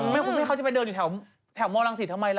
ไม่คุณแม่งเขาจะไปเดินอยู่แถวแถวมรังศิษย์ทำไมล่ะ